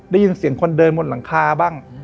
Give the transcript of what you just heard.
ได้ยินเสียงคนเดินบนหลังคาบ้าง